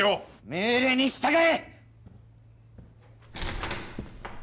命令に従え！